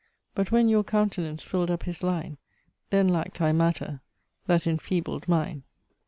But when your countenance fill'd up his line, Then lack'd I matter, that enfeebled mine.